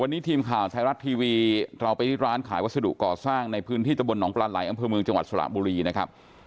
วันนี้ทีมข่าวไทยรัฐทีวีเราไปที่ร้านขายวัสดุก่อสร้างในพื้นที่ตะบลหนองปลาไหลอำเภอเมืองจังหวัดสระบุรีนะครับ